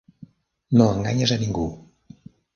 No enganyes a ningú.